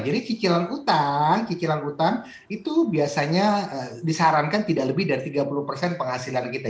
jadi cicilan utang cicilan utang itu biasanya disarankan tidak lebih dari tiga puluh penghasilan kita